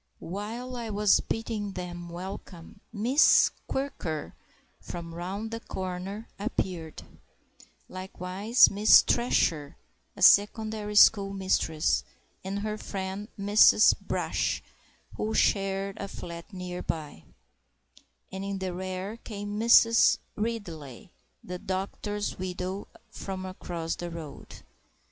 While I was bidding them welcome, Miss Quirker (from round the corner) appeared; likewise Miss Thresher (a secondary school mistress) and her friend Mrs. Brash, who share a flat near by; and in the rear came Mrs. Ridley, the doctor's widow from across the road.